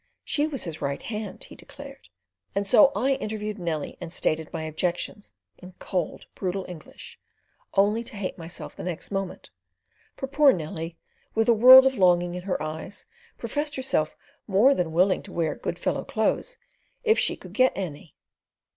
She was his "right hand," he declared; and so I interviewed Nellie and stated my objections in cold, brutal English, only to hate myself the next moment; for poor Nellie, with a world of longing in her eyes, professed herself more than willing to wear "good fellow clothes" if she could get any.